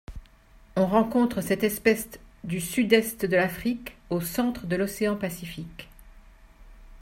On rencontre cette espèce du sud-est de l’Afrique au centre de l’océan Pacifique.